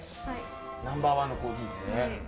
ナンバー１のコーヒーですね。